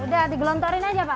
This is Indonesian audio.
udah digelontorin aja pak